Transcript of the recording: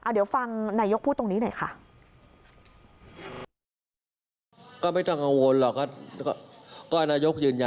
เดี๋ยวฟังนายกพูดตรงนี้หน่อยค่ะ